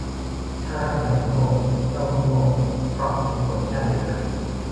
ถ้าราษฎรโง่ เจ้าก็โง่ เพราะเป็นคนชาติเดียวกัน